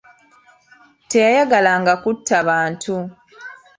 Teyayagalanga kutta bantu.